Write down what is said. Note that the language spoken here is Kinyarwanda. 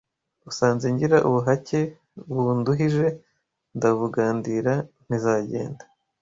Usanze ngira ubuhake bunduhije ndabugandira ntizagenda